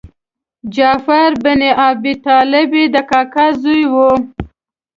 جعفر بن ابي طالب یې د کاکا زوی و.